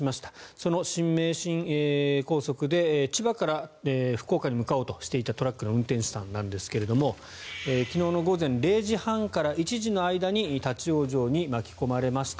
その新名神高速で、千葉から福岡に向かおうとしていたトラックの運転手さんなんですが昨日の午前０時半から１時の間に立ち往生に巻き込まれました。